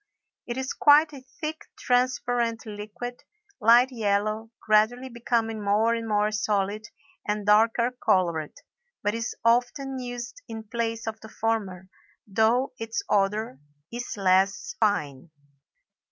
It is quite a thick transparent liquid, light yellow, gradually becoming more and more solid and darker colored, but is often used in place of the former, though its odor is less fine.